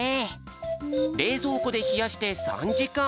れいぞうこでひやして３じかん。